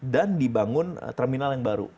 dan dibangun terminal yang baru